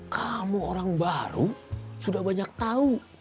kamu orang baru sudah banyak tahu